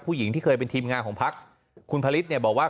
ผู้หญิงที่เคยเป็นทีมงานของพักคุณพระฤทธิเนี่ยบอกว่า